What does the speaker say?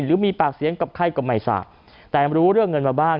หรือมีปากเสียงกับใครก็ไม่ทราบแต่รู้เรื่องเงินมาบ้าง